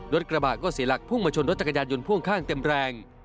รถกระบะก็เสียหลักพุ่งมาชนรถจักรยานยนต์พ่วงข้างเต็มแรง